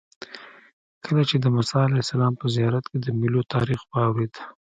کله چې د موسی علیه السلام په زیارت کې د میلو تاریخ واورېد.